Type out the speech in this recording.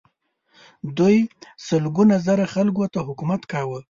دوی سلګونه زره خلکو ته حکومت کاوه.